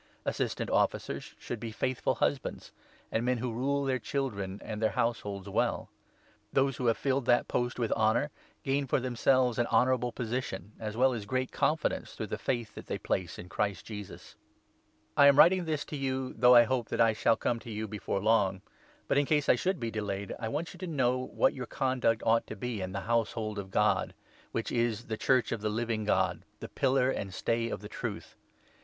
Assistant Officers should be 12 faithful husbands, and men who rule their children and their households well. Those who have filled that post with honour 13 gain for themselves an honourable position, as well as great confidence through the faith that they place in Christ Jesus. III. — SPECIAL DIRECTIONS TO TIMOTHY. I am writing this to you, though I hope that I shall come to 14 see you before long ; but in case I should be delayed, I want 15 you to know what your conduct ought to be in the Household 410 I. TIMOTHY, £ 4. of God, which is the Church of the Living God — the pillar and stay of the Truth.